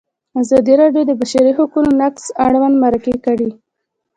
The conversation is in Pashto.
ازادي راډیو د د بشري حقونو نقض اړوند مرکې کړي.